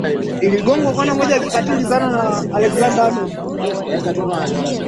Uganda lilitaka utafiti kuhusu mashtaka ya Obote kushiriki katika biashara ya siri ya pembe